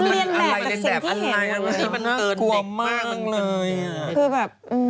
เรียนแบบเรียนแบบอะไรมันเกินเด็กมากเลยอ่ะคือแบบอืม